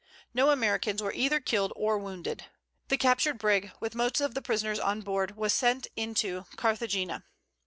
No Americans were either killed or wounded. The captured brig, with most of the prisoners on board, was sent into Carthagena.